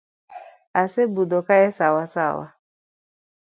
Asebudho kae sawa sawa.